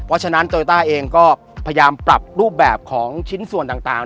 เพราะฉะนั้นโตโยต้าเองก็พยายามปรับรูปแบบของชิ้นส่วนต่าง